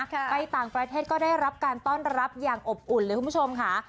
ไปต่างประเทศก็ได้รับการต้อนรับอย่างอบอุ่นเลยคุณผู้ชมค่ะ